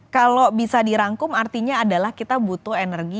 kalau bisa dirangkum artinya adalah kita butuh energi